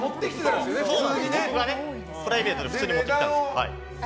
僕がプライベートで普通に持ってきたんですよね。